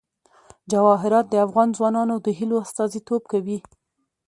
جواهرات د افغان ځوانانو د هیلو استازیتوب کوي.